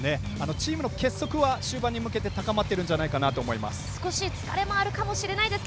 チームの結束は終盤に向けて高まっていると思います。